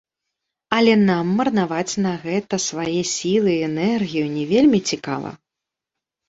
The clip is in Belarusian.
Але нам марнаваць на гэта свае сілы і энергію не вельмі цікава.